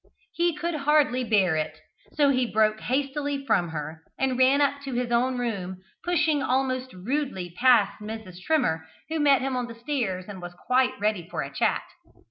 He could hardly bear it, so broke hastily from her, and ran up to his own room, pushing almost rudely past Mrs. Trimmer, who met him on the stairs and was quite ready for a chat.